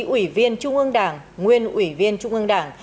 ủy viên trung ương đảng nguyên ủy viên trung ương đảng